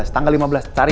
tanggal lima belas cari